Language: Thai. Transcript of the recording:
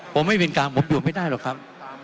ผมไม่เป็นกลางผมอยู่ไม่ได้หรอกครับ